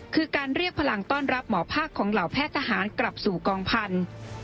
คือการเรียกพลังต้อนรับหมอภาคของเหล่าแพทย์ทหารกลับสู่กองพันธุ์